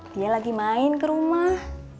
dia lagi main ke rumah